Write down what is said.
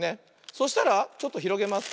そしたらちょっとひろげます。